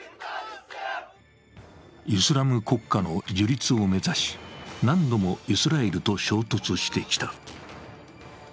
イスラム国家の樹立を目指し、何度もイスラエルと衝突してきた。